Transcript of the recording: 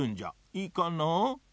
いいかな？